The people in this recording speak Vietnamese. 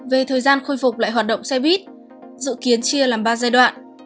về thời gian khôi phục lại hoạt động xe buýt dự kiến chia làm ba giai đoạn